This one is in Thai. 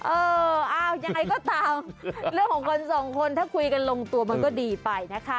เออเอายังไงก็ตามเรื่องของคนสองคนถ้าคุยกันลงตัวมันก็ดีไปนะคะ